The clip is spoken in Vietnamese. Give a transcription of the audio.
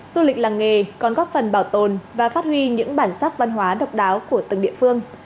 du lịch làng nghề còn góp phần bảo tồn và phát huy những bản sắc văn hóa độc đáo của từng địa phương